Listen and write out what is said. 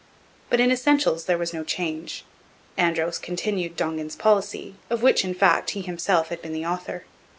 But in essentials there was no change. Andros continued Dongan's policy, of which, in fact, he himself had been the author.